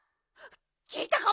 きいたか？